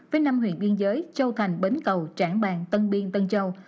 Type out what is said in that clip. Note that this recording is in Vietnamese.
với năm huyện biên giới châu thành bến cầu trảng bàng tân biên tân châu